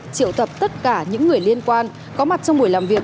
triệu tập tất cả những người liên quan có mặt trong buổi làm việc